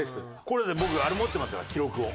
これ僕あれ持ってますから記録を。